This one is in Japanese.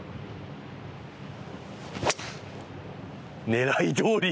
狙いどおり！